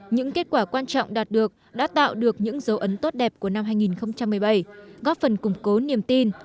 những kết quả quan trọng đạt được đã tạo được những dấu ấn tốt đẹp của năm hai nghìn một mươi bảy góp phần củng cố niềm tin